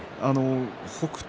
北勝